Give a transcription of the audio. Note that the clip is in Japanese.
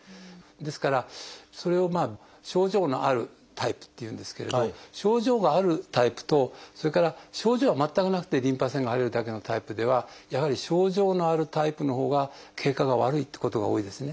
ですからそれを症状のあるタイプっていうんですけれど症状があるタイプとそれから症状は全くなくてリンパ節が腫れるだけのタイプではやはり症状のあるタイプのほうが経過が悪いってことが多いですね。